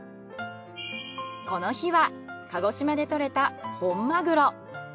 この日は鹿児島でとれた本マグロ。